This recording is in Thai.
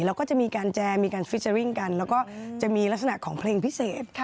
แล้วก็จะมีการแจมีการฟิเจอร์ริ่งกันแล้วก็จะมีลักษณะของเพลงพิเศษ